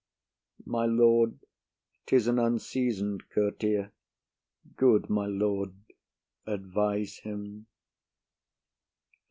My lord, 'Tis an unseason'd courtier; good my lord, Advise him.